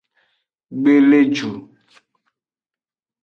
Gbeleju.